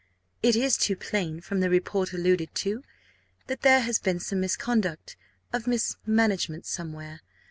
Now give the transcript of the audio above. It is too plain, (from the report alluded to,) that there has been some misconduct or mis management somewhere.